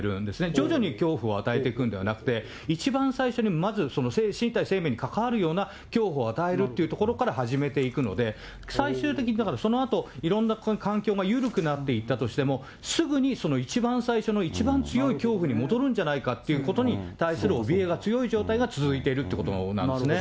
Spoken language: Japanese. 徐々に恐怖を与えていくんではなくて、一番最初に、まず身体、生命に関わるような恐怖を与えるというところから始めていくので、最終的に、だからそのあと、いろんな環境が、緩くなっていったとしても、すぐに一番最初の一番強い恐怖に戻るんじゃないかということに対する怯えが強い状態が続いているということが多いんですね。